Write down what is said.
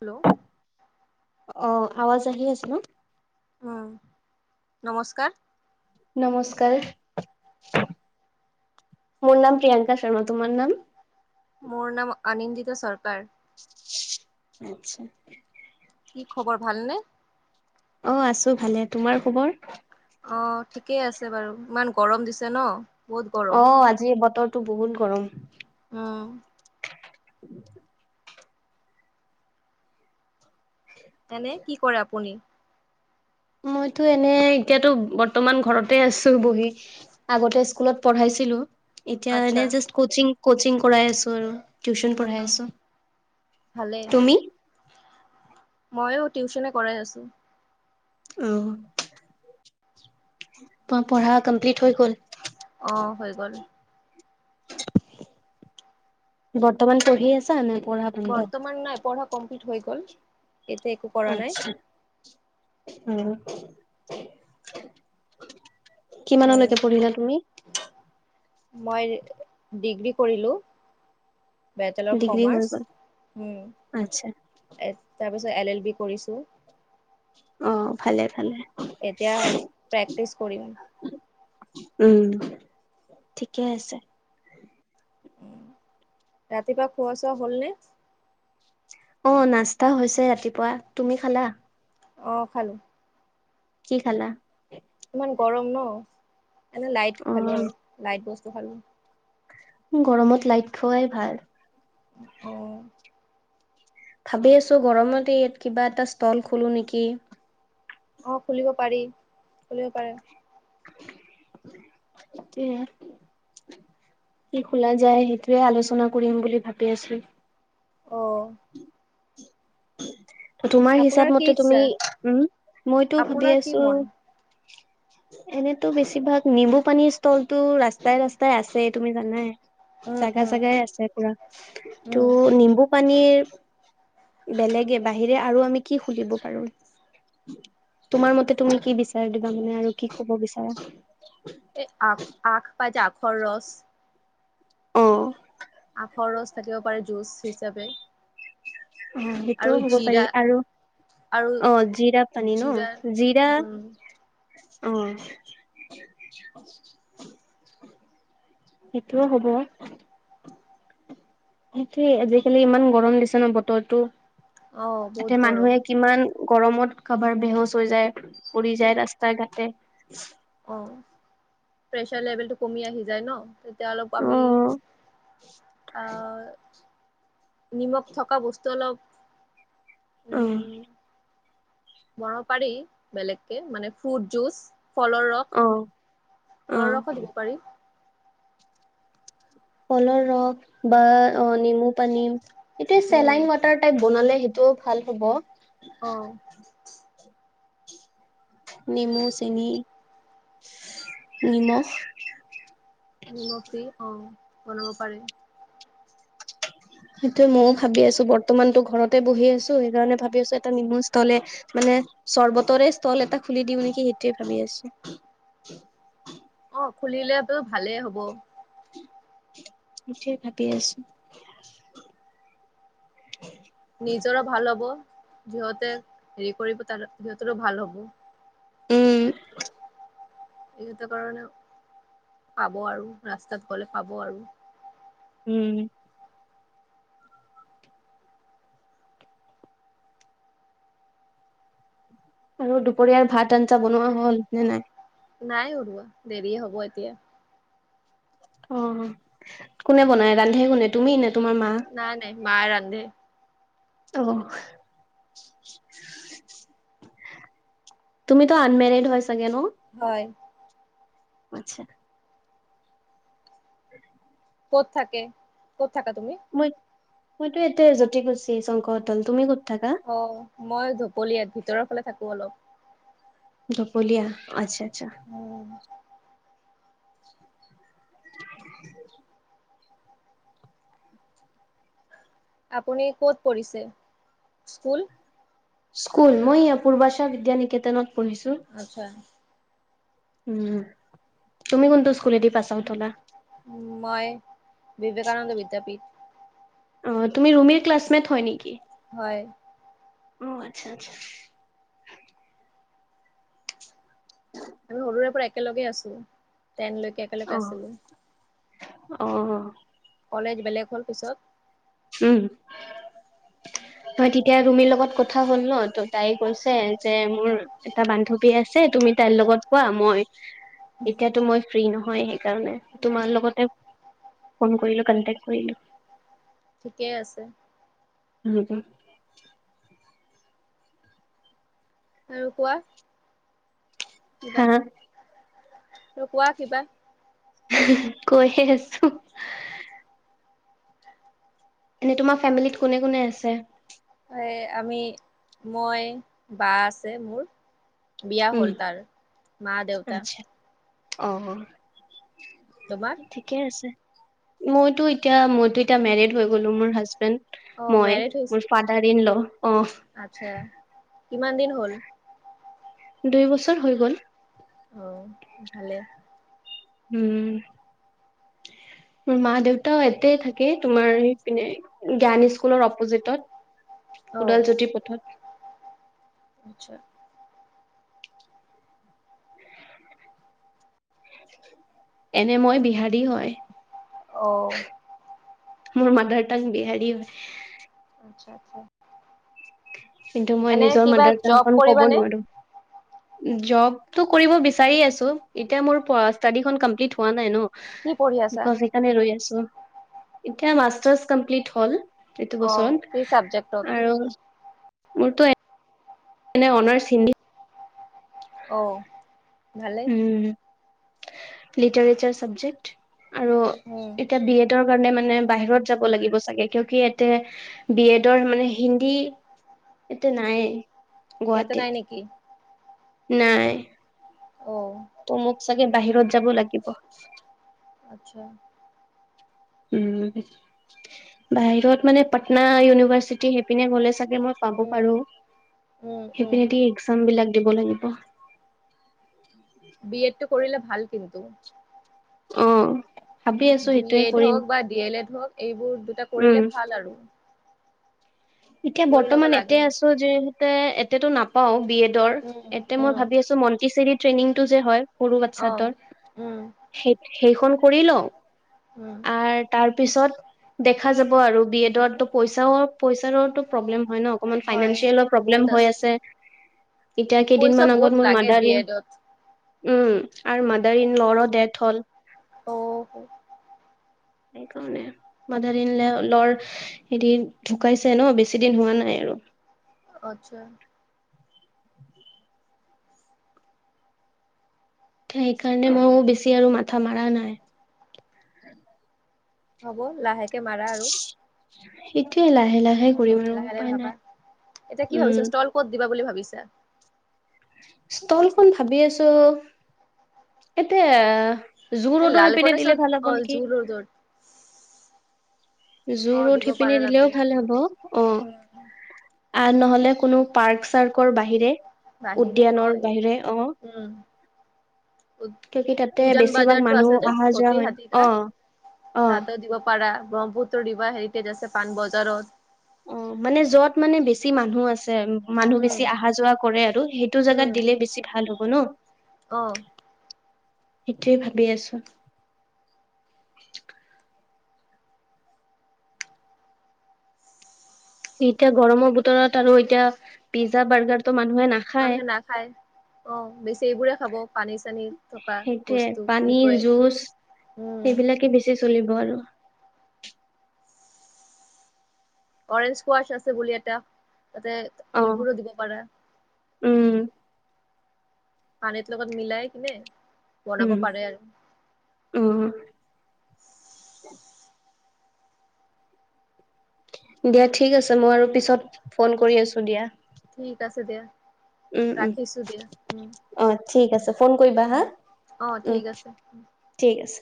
Hello অহ, আৱাজ আহি আছে ন'? উহ- ম নমস্কাৰ নমস্কাৰ। মোৰ নাম প্ৰিয়ংকা শৰ্মা তোমাৰ নাম? মোৰ নাম অনিন্দিতা চৰকাৰ। [unintelligible] কি খবৰ ভালনে? অহ, আছো ভালে তোমাৰ খবৰ,? অহ, ঠিকেই আছে বাৰু ইমান গৰম দিছে ন'? বহুত গৰম অহ, আজি বতৰটো বহুত গৰম। অহ এনে কি কৰে আপুনি? মইতো এনে এতিয়াতো বৰ্তমান ঘৰতে আছো বহি আগতে স্কুলত পঢ়াইছিলো। এতিয়া আচ্ছা এনে জাষ্ট কচিং -কচিং কৰাই আছো আৰু। টিউচন পঢ়াই আছো, তুমি? ময়ো টিউচনে কৰাই আছো। অহ তোমাৰ পঢ়া কমপ্লিট হৈ গল? অহ, হৈ গ'ল। বৰ্তমান পঢ়ি আছা নে পঢ়া বন্ধ? বৰ্তমান নাই পঢ়া কমপ্লিট হৈ গল এতিয়া একো কৰা নাই। উম [inaudible] হয় কিমানলৈকে পঢ়িলা তুমি? মই ডিগ্ৰী কৰিলো। বেতেল অফ ডিগ্ৰী হৈ গ'ল কমাৰ্চ আচ্ছা তাৰপিছত এল- এল বি কৰিছো। অহ, ভালে -ভালে। এতিয়া হ'ল প্ৰেক্টিচ কৰিম। উম, ঠিকে আছে। উম, ৰাতিপুৱা খোৱা চোৱা হল নে? অহ, নাস্তা হৈছে ৰাতিপুৱা তুমি খালা? অহ, খালো। কি খালা? ইমান গৰম ন' এনে লাইত অ খালো আৰু লাইত বস্তু খালো। গৰমত লাইত খোৱাই ভাল। অহ ভাবি আছো গৰমতে ইয়াত কিবা এটা ষ্টল খোলো নেকি অহ, খুলিব পাৰি খুলিব পাৰে। [unintelligible] কি খোলা যায় সেইটোয়ে আলোচনা কৰিম বুলি ভাবি আছো। অহ। [inaudible] তোমাৰ হিচাপ আপোনাৰ কি মতে তুমি, ইচ্ছা উম, মইতো ভাবি আপোনাৰ কি আছোঁ মন এনেতো বেছিভাগ নিম্বু পানীৰ ষ্টলতটো ৰাস্তাই ৰাস্তাই আছে তুমি জানাই। উম জাগা উম জাগাই আছে পুৰা। উম তু', নিম্বু পানীৰ বেলেগে বাহিৰে আৰু আমি কি খুলিব পাৰোঁ? তোমাৰ মতে তুমি কি বিচাৰ দিবা মানে আৰু কি কব বিচাৰা? এই আখ‌ আক পাই যে আখৰ ৰচ অ'। আখৰ ৰচ থাকিব পাৰে জুচ হিচাপে। অ' আৰু সেইটোও হ'ব পাৰি জিৰা আৰু আৰু অ জীৰা পানী জিৰা ন, জীৰা উম অ'। সেইটোও হ'ব। সেইটোৱে আজিকালি ইমান গৰম দিছে ন বতৰটো অ বহুত তাতে গৰম মানুহে কিমান গৰমত কাবাৰ বেহোচ হৈ যায়, পৰি যায় ৰাস্তাই ঘাটে। অ' প্ৰেচাৰ লেভেল টো কমি আহি যায় ন। তিয়া অলপ আমি অ আ নিমখ থকা বস্তু অলপ অ'। উম বনাব পাৰি বেলেগকে মানে ফ্ৰুট জুচ। ফলৰ ৰস, অ ফলৰ ৰসো দিব পাৰি। ফলৰ ৰস বা অ নেমু পানী। এতিয়া উম চেলাইন ৱাটাৰ টাইপ বনালে সেইটোও ভাল হ'ব। অ'। নেমু, চেনি, নিমখ নিমখ দি, অ' বনাব পাৰে। [inaudible] সেইটো মইও ভাবি আছো বৰ্তমানতো ঘৰতে বহি আছোঁ, সেইকাৰণে ভাবি আছোঁ এটা নিমু ষ্টলে মানে চৰ্বতৰে ষ্টল এটা খুলি দিও নেকি সেইটোৱে ভাবি আছোঁ। অ' খুলিলেটো ভালে হ'ব। সেইটোৱে ভাবি আছোঁ। [inaudible] নিজৰো ভাল হব সিহঁতে হেৰি কৰিব তাৰ - সিহঁতৰো ভাল হ'ব। উম। সিহঁতৰ কাৰণে পাব আৰু ৰাস্তাত গলে পাব আৰু। উম। আৰু দুপৰীয়াৰ ভাত-আঞ্জা বনোৱা হ'ল নে নাই? নাই উৰুৱা দেৰিয়ে হ'ব এতিয়া। অ কোনে বনায় ৰান্ধে কোনে তুমি নে তোমাৰ মা? নাই নাই মায়ে ৰান্ধে। অ'। তুমি তো আনমেৰেড হয় চাগে ন? হয়। আত্ছা। [inaudible] ক'ত থাকে, ক'ত থাকা তুমি? মই মইতো এতিয়া জ্যোতিকুছী চংকৰটোল তুমি ক'ত? থাকা? অ' মই ধপলিয়াত, ভিতৰৰ ফালে থাকো অলপ। ধপলিয়া আচ্ছা। আচ্ছা উম। [inaudible] আপুনি ক'ত পঢ়িছে স্কুল? স্কুল মই ই পূৰ্বাচা বিদ্যা নিকেতনত। পঢ়িছো। আচ্ছা। উম, তুমি কোনটো স্কুলেদি পাছ আউট হলা? মই বিবেকানন্দ বিদ্যাপীঠ। অ' তুমি ৰুমিৰ ক্লাছমেট হয় নেকি? হয়। অ' আচ্ছা আচ্ছা। আমি সৰুৰে পৰা একেলগে আছোঁ। টেন লৈকে অ একেলগে আছিলোঁ। অ'। কলেজ বেলেগ হ'ল পিছত। উম। হয় তেতিয়া ৰুমিৰ লগত কথা হ'ল ন ত তাই কৈছে যে মোৰ এটা বান্ধৱী আছে তু তুমি তাইৰ লগত শুৱা মই এতিয়াতো মই ফ্ৰী নহয় সেইকাৰণে তোমাৰ উম লগতে ফোন কৰিলোঁ কণ্টেক্ কৰিলোঁ। ঠিকে আছে। [unintelligible] আৰু কোৱা কিবা? হা আৰু কোৱা কিবা? কৈয়ে আছোঁ। এনে তোমাৰ ফেমিলিত কোনে কোনে আছে? এ আমি মই বা আছে মোৰ। বিয়া উম হ'ল তাৰ মা দেউতা। আচ্ছা অ' তোমাৰ ঠিকে আছে। মইতো এতিয়া মইতো এতিয়া মেৰিড হৈ গ'লো মোৰ হাজবেণ্ড অ মই মোৰ ফাদাৰ ইন ল', অ'। আত্ছা কিমান দিন হ'ল? দুই বছৰ হৈ গ'ল। অ' ভালে। উম। মোৰ মা দেউতাও এতে থাকে তোমাৰ সেইপিনে জ্ঞান স্কুলৰ অপজিতত। অ ওদাল জ্যোতি পথত। আচ্ছা। এনে মই বিহাৰী হয়। অ'। মোৰ মাডাৰ টাং বিহাৰী হয়। আচ্ছা আচ্ছা। কিন্তু মই এনে নিজৰ কিবা মাডাৰ তাং জব খন ক'ব কৰিবানে নোৱাৰো। জবটো কৰিব বিচাৰি আছো এতিয়া মোৰ ষ্টাডি খন কমপ্লিট হোৱা নাই ন। কি পঢ়ি আছা বিকছ সেইকাৰণে ৰৈ আছো, এতিয়া মাষ্টাৰ্ছ কমপ্লিট হ'ল। এইটো অ কি চাবজেক্টত বছৰত আৰু মোৰতো এ এনে অনাৰ্ছ হিন্দী। অ'। ভালেই উম, লিটাৰেচাৰ চাবজেক্ট আৰু উম এতিয়া বি এড তেওঁৰ কাৰণে মানে বাহিৰত যাব লাগিব চাগে কিউকি এতে বি এডৰ মানে হিন্দী এতিয়া নাই। ইয়াতে গুৱাহাটীত নাই নেকি? নাই। অ ত' মোক চাগে বাহিৰত যাব লাগিব। আচ্ছা। উম। বাহিৰত মানে পাটনা ইউনিভাৰ্চিটি সেইপিনে গলে চাগে মই পাব উম পাৰোঁ। উম উম সেইপিনে দি একজাম বিলাক দিব লাগিব। বি এডটো কৰিলে ভাল কিন্তু। অ'। ভাবি আছো দুই সেইটোয়ে এড কৰিম হওক বা ডি এলে এড হক এইবোৰ দুটা উম কৰিলে ভাল আৰু। এতিয়া কৰি ল'ব বৰ্তমান এতে লাগে আছো যিহতে এতেটো নাপাওঁ বি এডৰ, উম এতে মই উম ভাবি আছোঁ মন্টি চেৰি ট্ৰেইনিং টো যে হয় সৰু অ বাচ্ছাটোৰ উম সেই - সেইখন কৰি লওঁ। উম আৰ তাৰ পিছত দেখা যাব আৰু বি এডত তো পইচাও পইচা তাৰটো প্ৰব্লেম হয় ন অকমান হয় ফাইনেঞ্চিয়েলৰ বহুত প্ৰব্লেম হৈ আছে। এতিয়া পইচা কেইদিনমান আগত বহুত মোৰ লাগে বি মাদাৰ ইন এডত উম, আৰু মাদাৰ ইন ল'ৰো ডেথ হ'ল। অ' হো। সেইকাৰণে, মাদাৰ ইন লেও - ল'ৰ হেৰি ঢু কাইছে ন বেছি দিন হোৱা নাই আৰু। আত্চ্ছা। সেইকাৰণে মইও বেছি আৰু মাথা মাৰা নাই। হ'ব লাহেকে মাৰা আৰু। সিটোৱে লাহে লাহে উম, কৰিম আৰু লাহে লাহে উপায় ভাবা নাই এতিয়া কি উম ভাবিছা ষ্টল ক'ত দিবা বুলি ভাবিছা? ষ্টলখন ভাবি আছোঁ, এতে আহ জু' এ ৰডৰ লাল সেইপিনে গণেশত দিলে ভাল অ হ'ব নেকি! জু ৰোডত জু' অ ৰড দিব সিপিনে পাৰা দিলেও তাতে ভাল হব অ'। উম আ নহলে কোনো পাৰ্ক চাৰ্কৰ বাহিৰে, বাহিৰে অ উদ্যায়ানৰ বাহিৰে, অ'। উ কিয়কি তাতে - উজান বেছিভাগ বজাৰটো মানুহ আছে যে অহা যোৱা সতি হয় অ হাতিকা। অ তাতো দিব পাৰা, ব্ৰহ্মপুত্ৰ দিবা হেৰিটেজ আছে পাণবজাৰত। অ' মানে যত মানে বেছি মানুহ আছে, মানুহ উম বেছি আহা যোৱা কৰে আৰু সেই টো জাগাত উম দিলে বেছি ভাল হ'ব ন। অ'। সিটোৱে ভাবি আছোঁ। এতিয়া গৰমৰ বুতৰত আৰু এতিয়া পিজ্জা বাৰ্গাৰ তটো মান মানুহে নাখায়। অ' বেছি‌ এইবোৰে খাব পানী চানী থকা সেইটোয়ে বস্তু পানী লিকুয়েড। জুচ সেইবিলাকে বেছি চলিব আৰু। অৰেঞ্জ স্কোৱাচ আছে বুলি এটা তাতে অ সেইবোৰো দিব পাৰা। উম। পানীত লগত মিলায় কেনে বনাব উম পাৰে আৰু। উম দিয়া ঠিক আছে মই আৰু পিছত ফোন কৰি আছোঁ দিয়া। ঠিক আছে দিয়া। উম উম, ৰাখিছো দিয়া উম অ' ঠিক আছে ফোন কৰিবা হা। উম অ উম, ঠিক আছে ঠিক আছে।